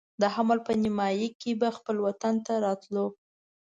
د حمل په نیمایي کې به خپل وطن ته راتلو.